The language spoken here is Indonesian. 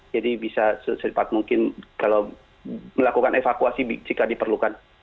jadi bisa sesepat mungkin kalau melakukan evakuasi jika diperlukan